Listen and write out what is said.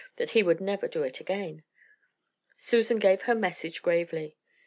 that he would never do it again. Susan gave her message gravely.